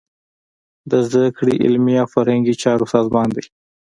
د زده کړې، علمي او فرهنګي چارو سازمان دی.